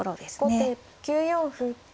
後手９四歩。